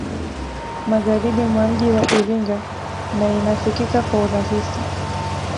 Magharibi mwa mji wa Iringa na inafikika kwa urahisi